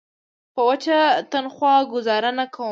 په وچه تنخوا ګوزاره نه کوم.